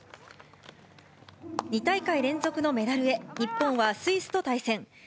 ２大会連続のメダルへ、日本はスイスと対戦。